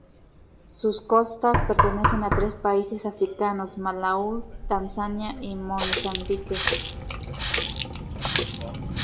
Sus costas pertenecen a tres países africanos: Malaui, Tanzania y Mozambique.